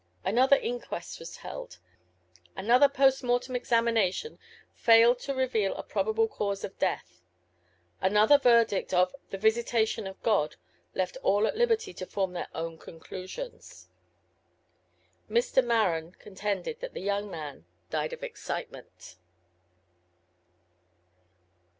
Another inquest was held: another post mortem examination failed to reveal a probable cause of death. Another verdict of ŌĆ£the visitation of GodŌĆØ left all at liberty to form their own conclusions. Mr. Maren contended that the young man died of excitement.